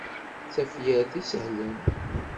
D tafyirt isehlen.